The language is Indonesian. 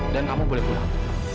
dan kamu boleh pulang